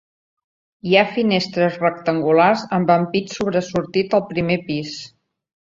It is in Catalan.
Hi ha finestres rectangulars amb ampit sobresortit al primer pis.